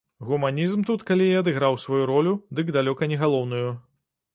Гуманізм тут калі і адыграў сваю ролю, дык далёка не галоўную.